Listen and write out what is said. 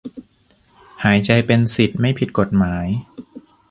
หายใจเป็นสิทธิไม่ผิดกฎหมาย